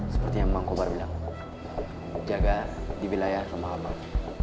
seperti yang bang kobar bilang jaga di wilayah sama abang